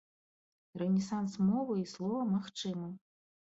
Рэнесанс мовы і слова магчымы.